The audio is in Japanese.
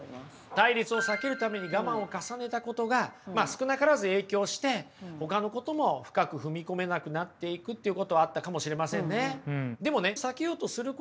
対立を避けるために我慢を重ねたことが少なからず影響してほかのことも深く踏み込めなくなっていくっていうことはあったかもしれませんね。